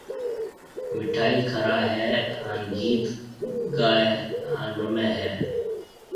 مِٺائِي کرائيَ ھيََََ ھان گيت ڪائيَ ھان رُمَي ھيََََ